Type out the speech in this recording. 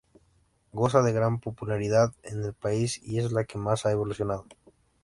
Goza de gran popularidad en el país y es la que más ha evolucionado.